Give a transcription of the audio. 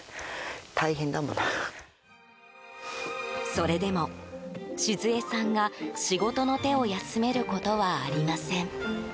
それでも、静恵さんが仕事の手を休めることはありません。